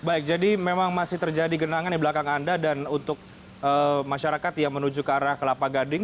baik jadi memang masih terjadi genangan di belakang anda dan untuk masyarakat yang menuju ke arah kelapa gading